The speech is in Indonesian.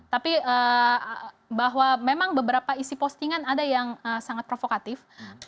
tapi bahwa memang beberapa isi postingan ada yang sangat provokatif